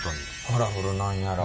カラフルなんやら。